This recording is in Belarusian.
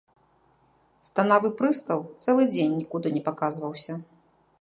Станавы прыстаў цэлы тыдзень нікуды не паказваўся.